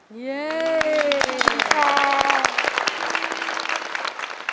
เย่ขอบคุณพ่อ